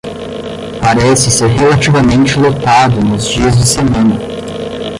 Parece ser relativamente lotado nos dias de semana.